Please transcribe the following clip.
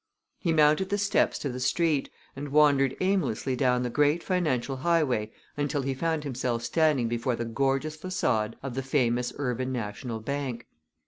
He mounted the steps to the street, and wandered aimlessly down the great financial highway until he found himself standing before the gorgeous façade of the famous Urban National Bank.